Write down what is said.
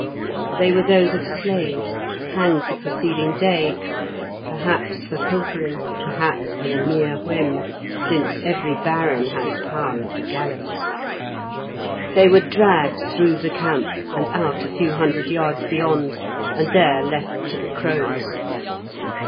They were those of slaves, hanged the preceding day, perhaps for pilfering, perhaps for a mere whim, since every baron had power of the gallows. They were dragged through the camp, and out a few hundred yards beyond, and there left to the crows.